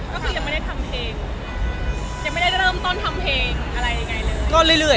ก็คือยังไม่ได้ทำเพลงยังไม่ได้เริ่มต้นทำเพลงอะไรยังไงเลยก็เรื่อย